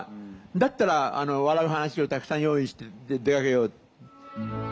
だったら笑う話をたくさん用意して出かけよう。